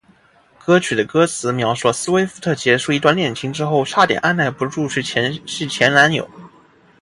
歌曲的歌词描述了斯威夫特结束一段恋情之后差点按捺不住去联系前男友。